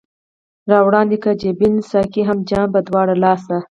را وړاندي که جبين ساقي هم جام پۀ دواړه لاسه